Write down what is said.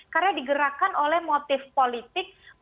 karena digerakkan oleh motif politik